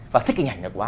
và thích hình ảnh này quá